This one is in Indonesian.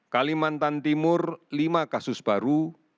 kalimantan timur lima kasus baru